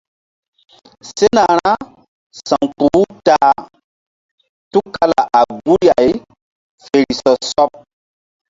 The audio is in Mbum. Sena ra sa̧wkpuh u ta a tukala a guri ay fe ri sɔ sɔɓ.